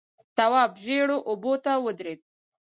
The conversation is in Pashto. تواب ژېړو اوبو ته ودرېد.